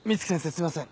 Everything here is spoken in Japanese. すいません。